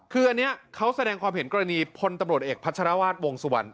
คืออันนี้เขาแสดงความเห็นกรณีพลตำรวจเอกพัชรวาสวงสุวรรณ